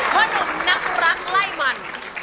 พ่อหนุ่มนักรักไล่มัน